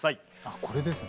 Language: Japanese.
これですね。